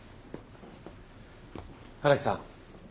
荒木さん